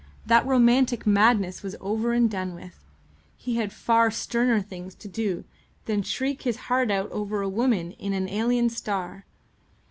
That romantic madness was over and done with. He had far sterner things to do than shriek his heart out over a woman in an alien star.